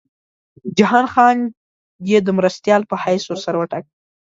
جهان خان یې د مرستیال په حیث ورسره وټاکه.